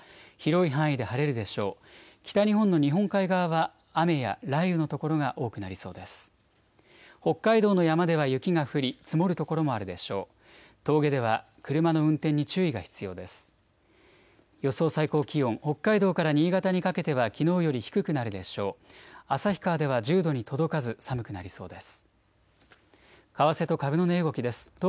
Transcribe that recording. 峠では車の運転に注意が必要です。